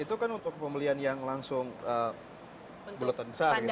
itu kan untuk pembelian yang langsung bulutan besar ya